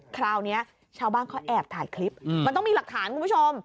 คราวนี้ชาวบ้านเขาแอบถ่ายคลิปมันต้องมีหลักฐานคุณผู้ชม